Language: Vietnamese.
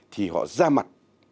thì họ ra mặt